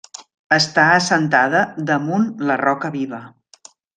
Està assentada damunt la roca viva.